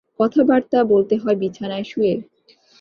কথাবার্তা বলতে হয় বিছানায় শুয়ে।